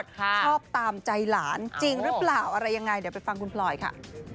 ชอบตามใจหลานจริงหรือเปล่าอะไรยังไงเดี๋ยวไปฟังคุณพลอยค่ะ